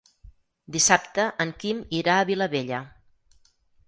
Dissabte en Quim irà a Vilabella.